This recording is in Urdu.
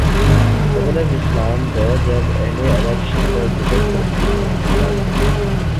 قبل از اسلام دور جب اہل عرب شرک اور بت پرستی میں مبتلا تھے